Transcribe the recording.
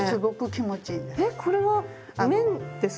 えっこれは綿ですか？